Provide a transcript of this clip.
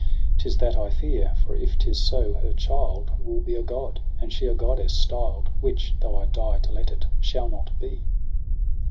'Tis that I fear • for if 'tis so, her child Will be a god, and she a goddess styled. Which, though I die to let it, shall not be.